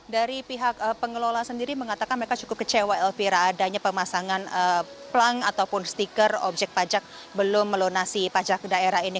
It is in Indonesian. dari pihak pengelola sendiri mengatakan mereka cukup kecewa elvira adanya pemasangan pelang ataupun stiker objek pajak belum melunasi pajak daerah ini